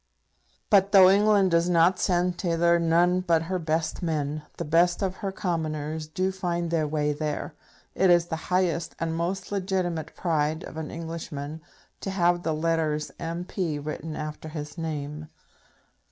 But though England does not send thither none but her best men, the best of her Commoners do find their way there. It is the highest and most legitimate pride of an Englishman to have the letters M.P. written after his name.